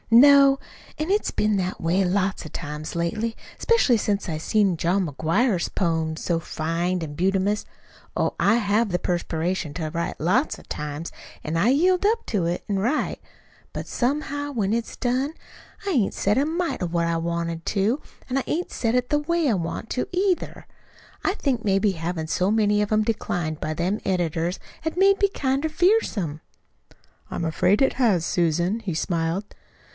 "No. An' it's been that way lots o' times lately, 'specially since I seen John McGuire's poems so fine an' bumtious! Oh, I have the perspiration to write, lots o' times, an' I yield up to it an' write. But somehow, when it's done, I hain't said a mite what I want to, an' I hain't said it the way I want to, either. I think maybe havin' so many of 'em disinclined by them editors has made me kinder fearsome." "I'm afraid it has, Susan," he smiled.